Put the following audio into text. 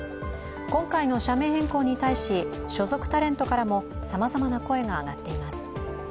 今回の社名変更に対し、所属タレントからもさまざまな声が上がっています。